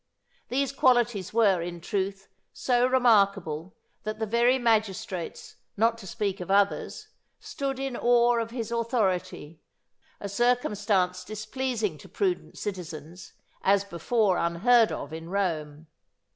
These qualities were, in truth, so remarkable that the very magistrates, not to speak of others, stood in awe of his authority, a circumstance displeasing to prudent citizens, as before unheard of in Rome.